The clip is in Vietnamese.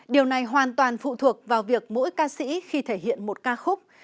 điều này hoàn toàn phụ thuộc vào việc mỗi ca sĩ khi thể hiện một ca khúc